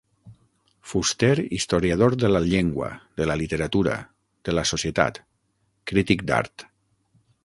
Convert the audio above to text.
Fuster historiador de la llengua, de la literatura, de la societat; crític d’art.